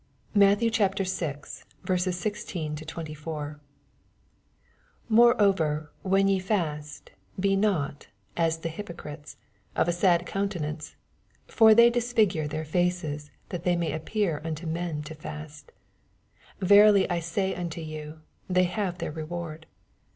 MATTHEW, CHAP. VI. 55 MATTHEW VI. 16—24. 16 Moreoyer wlieD ye fiist, \)e not, as the hypocrites, of a sad connte nanco : for they disfigare their faces, that they may appear unto men to ikst. Verily I say unto you, They haye their reward.